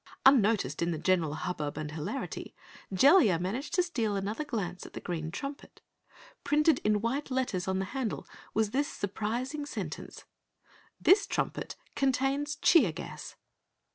Unnoticed in the general hubbub and hilarity, Jellia managed to steal another glance at the green trumpet. Printed in white letters on the handle was this surprising sentence: "_This trumpet contains cheer gas.